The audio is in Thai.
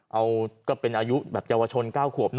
เอาก็เป็นอายุแบบเยาวชน๙ขวบนะ